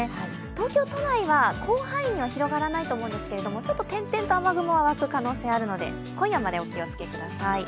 東京都内は広範囲には広がらないと思うんですけども、ちょっと転々と雨雲が湧く可能性がありますので今夜までお気をつけください。